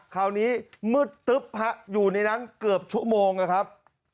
คราวนี้มืดตึ๊บฮะอยู่ในนั้นเกือบชั่วโมงนะครับ